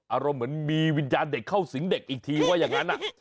อารมณ์เหมือนมีวิญญาณเด็กเข้าสิงเด็กอีกทีว่าอย่างนั้น